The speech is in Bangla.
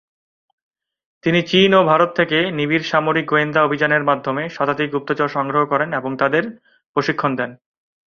তিনি চীন ও ভারত থেকে নিবিড় সামরিক গোয়েন্দা অভিযানের মাধ্যমে শতাধিক গুপ্তচর সংগ্রহ করেন এবং তাদের প্রশিক্ষণ দেন।